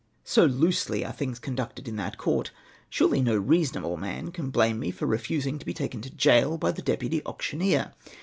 So loosely are things conducted in that Court ! Surely no reasonable man can blame me for refusing to be taken to gaol by the deputy auctioneer.